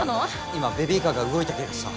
今ベビーカーが動いた気がした。